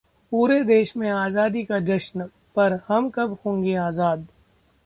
पूरे देश में आजादी का जश्न, पर हम कब होंगे आजाद....